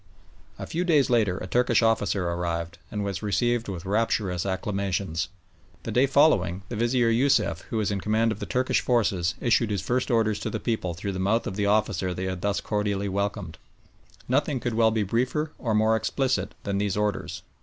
A few days later a Turkish officer arrived, and was received with rapturous acclamations. The day following the Vizier Yosuf, who was in command of the Turkish forces, issued his first orders to the people through the mouth of the officer they had thus cordially welcomed. Nothing could well be briefer or more explicit than these orders.